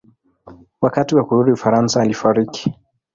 Wakati wa kurudi Ufaransa alifariki.